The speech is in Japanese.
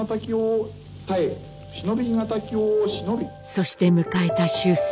そして迎えた終戦。